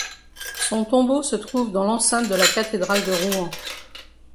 Son tombeau se trouve dans l'enceinte de la Cathédrale de Rouen.